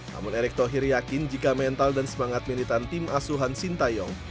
namun erick thohir yakin jika mental dan semangat militan tim asuhan sintayong